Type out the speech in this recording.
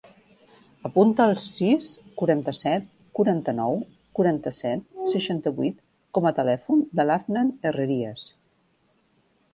Apunta el sis, quaranta-set, quaranta-nou, quaranta-set, seixanta-vuit com a telèfon de l'Afnan Herrerias.